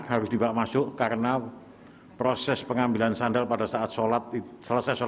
harus dibawa masuk karena proses pengambilan sandal pada saat sholat selesai sholat